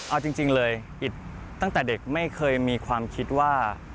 เอาจริงเลยอิตตั้งแต่เด็กไม่เคยมีความคิดว่า